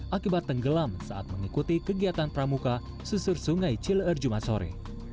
akibat tenggelam saat mengikuti kegiatan pramuka susur sungai cileer jumat sore